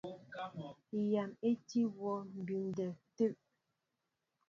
Nyǎn í tí wɔ mbindɛ tə̂.